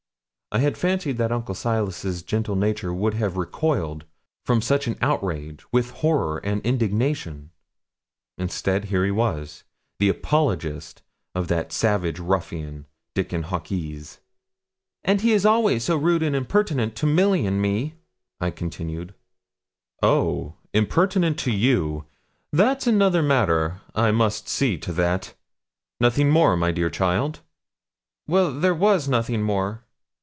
I had fancied that Uncle Silas's gentle nature would have recoiled from such an outrage with horror and indignation; and instead, here he was, the apologist of that savage ruffian, Dickon Hawkes. 'And he is always so rude and impertinent to Milly and to me,' I continued. 'Oh! impertinent to you that's another matter. I must see to that. Nothing more, my dear child?' 'Well, there was nothing more.'